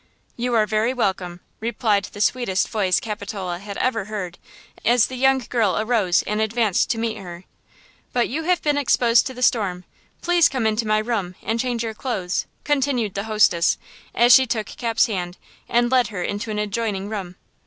"You are very welcome," replied the sweetest voice Capitola had ever heard, as the young girl arose and advanced to meet her. "But you have been exposed to the storm. Please come into my room and change your clothes," continued the young hostess, as she took Cap's hand and led her into an adjoining room.